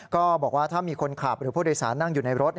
ก็บอกว่าถ้ามีคนขับหรือผู้โดยสารนั่งอยู่ในรถ